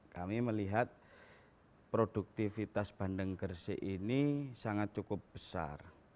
kami melihat produktivitas bandeng gersik ini sangat cukup besar